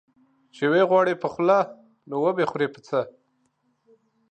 چي وې غواړې په خوله، نو وبې خورې په څه؟